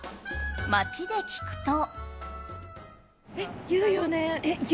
街で聞くと。